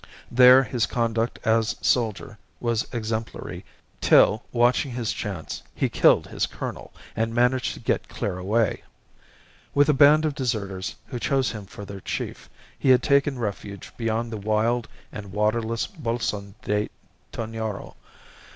There his conduct as soldier was exemplary, till, watching his chance, he killed his colonel, and managed to get clear away. With a band of deserters, who chose him for their chief, he had taken refuge beyond the wild and waterless Bolson de Tonoro.